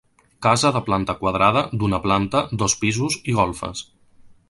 Casa de planta quadrada, d'una planta, dos pisos i golfes.